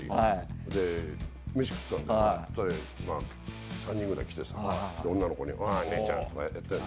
そうしたら３人くらい来てさ女の子においネェちゃんとかやってるの。